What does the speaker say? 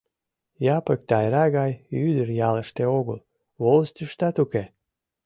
Япык Тайра гай ӱдыр ялыште огыл, волостьыштат уке...